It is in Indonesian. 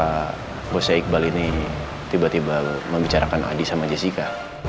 pak hussei iqbal ini tiba tiba membicarakan adi sama jessica